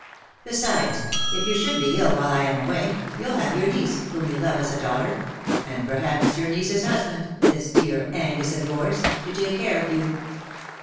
Besides^ if you should be ill while T am away, you'll have your niece, whom you love as a daughter — and perhaps your niece^s husband, this dear Angus of yours — to take care of you.'